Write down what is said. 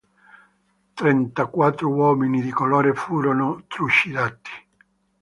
Trentaquattro uomini di colore furono trucidati.